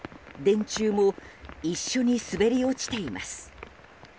電柱も一緒に滑り落ちています。